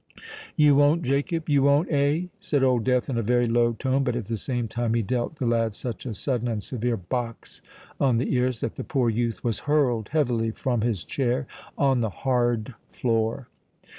"You won't, Jacob—you won't, eh?" said Old Death, in a very low tone; but at the same time he dealt the lad such a sudden and severe box on the ears, that the poor youth was hurled heavily from his chair on the hard floor.